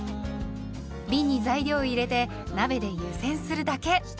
びんに材料を入れて鍋で湯煎するだけ。